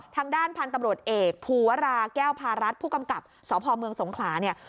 ทางด้านพันธุ์ตำรวจเอกภูวราแก้วพารัฐผู้กำกับสพเมืองสงขลาเนี่ย